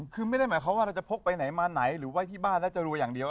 คือไม่ได้หมายความว่าเราจะพกไปไหนมาไหนหรือไว้ที่บ้านแล้วจะรวยอย่างเดียว